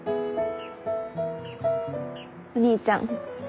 お兄ちゃん